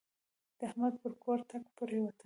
د احمد پر کور ټکه پرېوته.